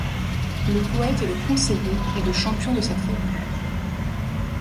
Le poète est le conseiller et le champion de sa tribu.